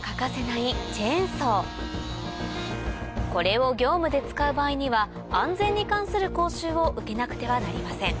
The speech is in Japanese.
これを業務で使う場合には安全に関する講習を受けなくてはなりません